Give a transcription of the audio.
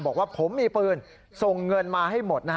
บอกว่าผมมีปืนส่งเงินมาให้หมด